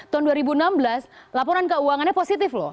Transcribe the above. tahun dua ribu enam belas laporan keuangannya positif loh